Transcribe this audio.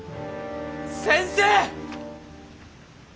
先生！